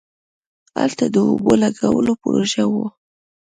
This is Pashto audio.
هلته د اوبو لگولو پروژه وه.